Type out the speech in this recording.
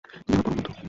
তিনি আমার পরম বন্ধু।